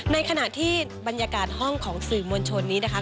ในขณะที่บรรยากาศห้องของสื่อมวลชนนี้นะคะ